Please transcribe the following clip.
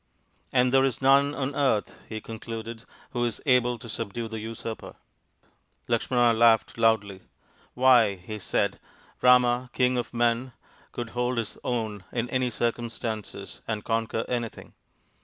" And there is none on earth," he concluded, " who is able to subdue the usurper." Lakshmana laughed loudly. ;< Why," he said, " Rama, King of Men, could hold his own in any circumstances and conquer anything